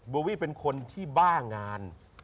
โบวี่เป็นคนที่บ้างาน